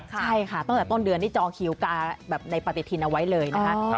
ใช่ค่ะตั้งแต่ต้นเดือนนี่จองคิวกาแบบในปฏิทินเอาไว้เลยนะคะ